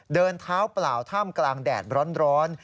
เดินเท้าเปล่าท่ามกลางแดดร้อน